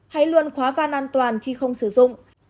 hãy luôn khóa van an toàn khi không sử dụng